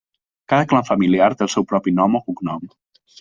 Cada clan familiar té el seu propi nom o cognom.